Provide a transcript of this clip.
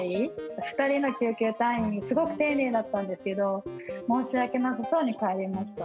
２人の救急隊員、すごく丁寧だったんですけど、申し訳なさそうに帰りました。